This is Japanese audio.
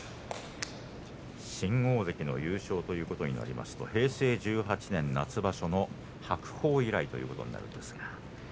新大関の優勝ということになりますと、平成１８年夏場所の白鵬以来ということになるんですが。